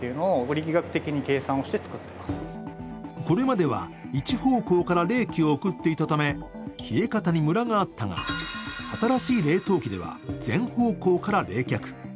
これまでは、一方向から冷気を送っていたため冷え方にむらがあったが、新しい冷凍機では全方向から冷却。